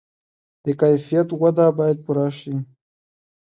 د کیفیت وعده باید پوره شي.